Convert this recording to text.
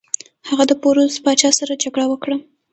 هغه د پوروس پاچا سره جګړه وکړه.